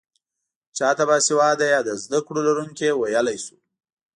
چا ته باسواده يا د زده کړو لرونکی ويلی شو؟